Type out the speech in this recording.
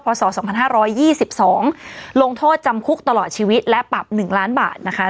ศ๒๕๒๒ลงโทษจำคุกตลอดชีวิตและปรับ๑ล้านบาทนะคะ